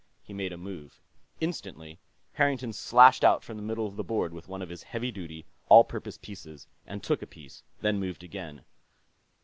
He made a move. Instantly, Harrington slashed out from the middle of the board with one of his heavy duty, all purpose pieces and took a piece, then moved again.